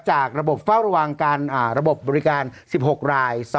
จากระบบเฝ้าระวังการระบบบริการ๑๖ราย